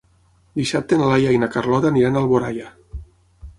Dissabte na Laia i na Carlota aniran a Alboraia.